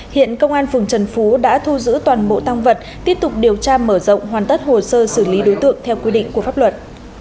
hiện công an phường trần phú đã thu giữ toàn bộ tăng vật tiếp tục điều tra mở rộng hoàn tất hồ sơ xử lý đối tượng theo quy định của pháp luật